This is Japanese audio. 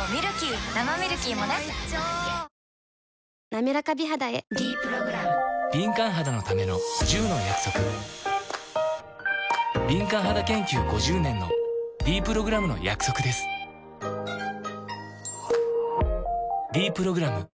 なめらか美肌へ「ｄプログラム」敏感肌研究５０年のｄプログラムの約束です「ｄプログラム」